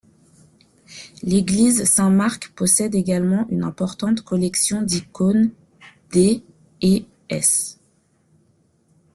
L'église Saint-Marc possède également une importante collection d'icônes des et s.